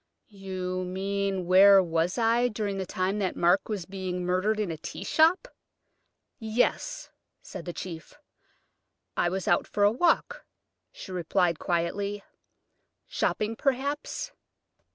"You mean, where I was during the time that Mark was being murdered in a tea shop?" "Yes," said the chief. "I was out for a walk," she replied quietly. "Shopping, perhaps?"